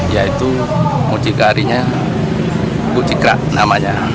yaitu mucikarinya bucikra namanya